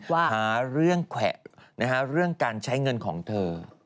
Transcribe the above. หาเรื่องแขวะเรื่องการใช้เงินของเธอ